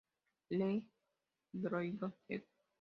L. Bryson, ed.